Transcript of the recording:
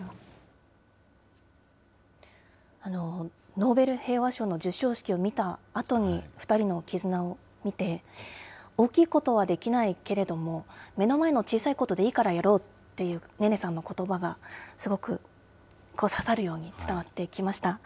ノーベル平和賞の授賞式を見たあとに、２人の絆を見て、大きいことはできないけれども、目の前の小さいことでいいからやろうっていうネネさんのことばが、すごく刺さるように伝わってきました。